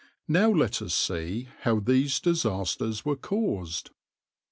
Now let us see how these disasters were caused.